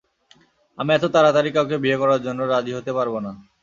আমি এত তাড়াতাড়ি কাউকে বিয়ে করার জন্য, রাজি হতে পারবো না।